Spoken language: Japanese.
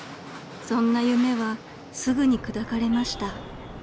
［そんな夢はすぐに砕かれました］